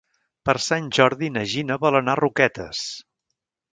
Per Sant Jordi na Gina vol anar a Roquetes.